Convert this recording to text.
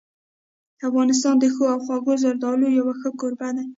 افغانستان د ښو او خوږو زردالو یو ښه کوربه دی.